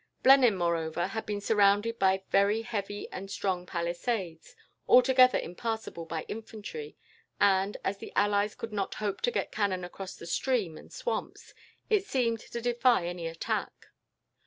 Blenheim, moreover, had been surrounded by very heavy and strong palisades, altogether impassable by infantry, and, as the allies could not hope to get cannon across the stream and swamps, it seemed to defy any attack.